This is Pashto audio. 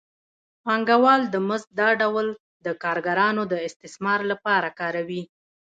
پانګوال د مزد دا ډول د کارګرانو د استثمار لپاره کاروي